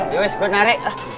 yowes gua narik